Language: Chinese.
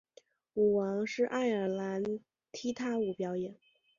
舞王是爱尔兰踢踏舞表演。